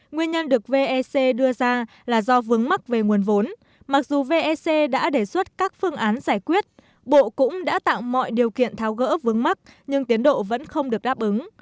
nguyên nhân được vec đưa ra là do vướng mắc về nguồn vốn mặc dù vec đã đề xuất các phương án giải quyết bộ cũng đã tạo mọi điều kiện tháo gỡ vướng mắt nhưng tiến độ vẫn không được đáp ứng